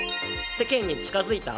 世間に近づいた？